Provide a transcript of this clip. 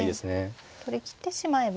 取りきってしまえば。